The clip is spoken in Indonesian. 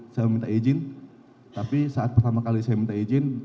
saya minta izin tapi saat pertama kali saya minta izin